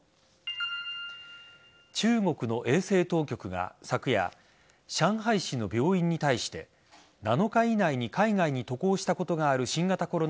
中国の衛生当局が昨夜上海市の病院に対して７日以内に海外に渡航したことがある新型コロナ